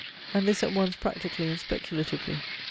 And this at once practically and speculatively.